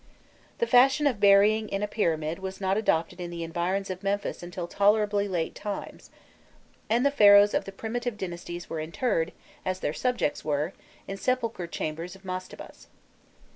The fashion of burying in a pyramid was not adopted in the environs of Memphis until tolerably late times, and the Pharaohs of the primitive dynasties were interred, as their subjects were, in sepulchral chambers of mastabas.